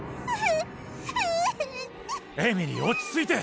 エミリー落ち着いて！